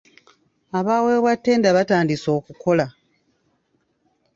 Abaaweebwa ttenda batandise okukola.